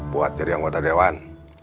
buat jadi anggota dewan